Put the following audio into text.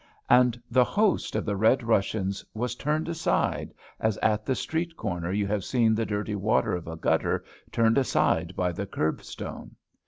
And the host of the Red Russians was turned aside, as at the street corner you have seen the dirty water of a gutter turned aside by the curbstone.